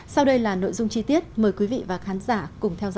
sau đây là nội dung chi tiết mời quý vị và khán giả cùng theo dõi